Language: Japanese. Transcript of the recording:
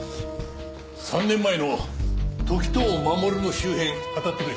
３年前の時任守の周辺あたってくれ。